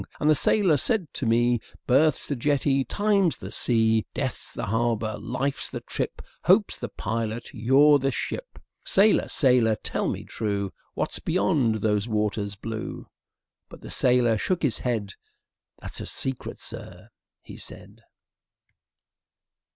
And the sailor Said to me: "Birth's the jetty, Time's the sea, "Death's the harbour, Life's the trip, Hope's the pilot, You're the ship." "Sailor, sailor, Tell me true, What's beyond Those waters blue?" But the sailor Shook his head; "That's a secret, Sir," he said.